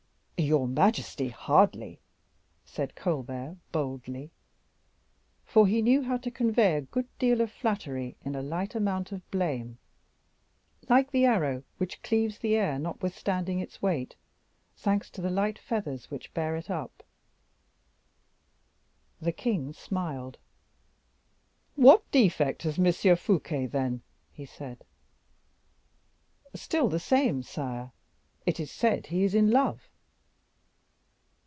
"Your majesty, hardly," said Colbert, boldly; for he knew how to convey a good deal of flattery in a light amount of blame, like the arrow which cleaves the air notwithstanding its weight, thanks to the light feathers which bear it up. The king smiled. "What defect has M. Fouquet, then?" he said. "Still the same, sire; it is said he is in love."